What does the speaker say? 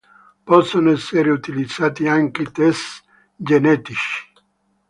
Possono essere utilizzati anche test genetici.